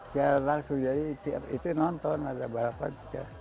saya langsung jadi tiap itu nonton ada balapan